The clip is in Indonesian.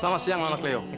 selamat siang nama cleo